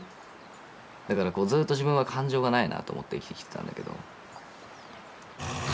だからこうずっと自分は感情がないなと思って生きてきてたんだけど。